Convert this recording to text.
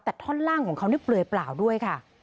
แต่ท่อนล่างของเขานี่เปลือยเปล่าด้วยค่ะ